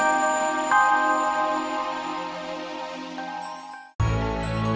akhir pada kelihatan buddhist dwa ni ac childe